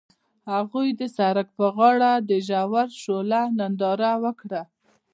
هغوی د سړک پر غاړه د ژور شعله ننداره وکړه.